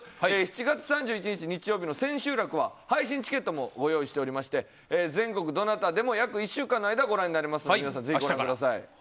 ７月３１日、日曜日の千秋楽は配信チケットもご用意しておりまして全国どなたでも約１週間の間ご覧になれますので皆さんぜひご覧ください。